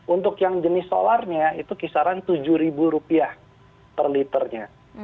untuk yang jenis solarnya itu kisaran rp tujuh per liternya